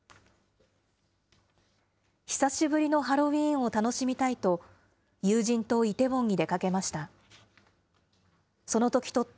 久しぶりのハロウィーンを楽しみたいと、友人とイテウォンに出かけました。